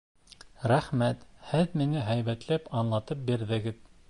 Рәхмәт, һеҙ миңә һәйбәтләп аңлатып бирҙегеҙ.